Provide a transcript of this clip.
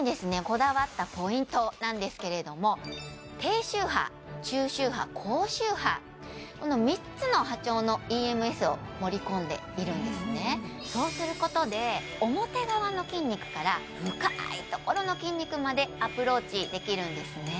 こだわったポイントなんですけれども低周波中周波高周波この３つの波長のＥＭＳを盛り込んでいるんですねそうすることで表側の筋肉から深いところの筋肉までアプローチできるんですね